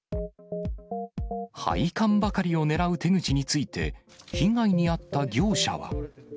配管ばかりを狙う手口について、被害に遭った業者は。